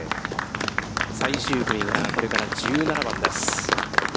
最終組がこれから、１７番です。